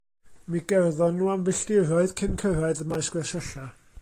Mi gerddon nhw am filltiroedd cyn cyrraedd y maes gwersylla.